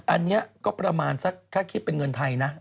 อันนี้ก็ประมาณสักถ้าคิดเป็นเงินไทยนะ